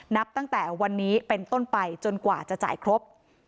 นับตั้งแต่วันนี้เป็นต้นไปจนกว่าจะจ่ายครบ